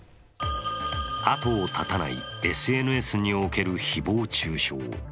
後を絶たないＳＮＳにおける誹謗中傷。